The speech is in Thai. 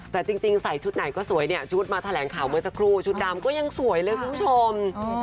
แต่จริงใส่ชุดไหนก็สวยเนี่ยชุดมาแถลงข่าวเมื่อสักครู่ชุดดำก็ยังสวยเลยคุณผู้ชม